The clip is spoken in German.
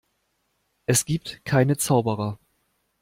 Es gibt keine Zauberer.